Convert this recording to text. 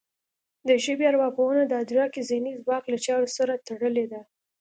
د ژبې ارواپوهنه د ادراکي ذهني ځواک له چارو سره تړلې ده